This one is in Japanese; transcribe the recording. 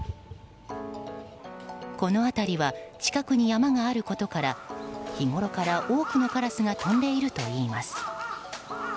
この辺りは近くに山があることから日ごろから多くのカラスが飛んでいるといいます。